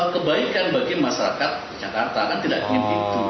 kebaikan bagi masyarakat yang kata kata tidak ingin itu